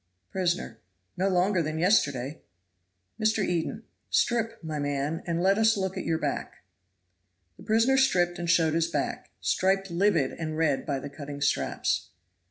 Prisoner. "No longer than yesterday." Mr. Eden. "Strip, my man, and let us look at your back." The prisoner stripped and showed his back, striped livid and red by the cutting straps.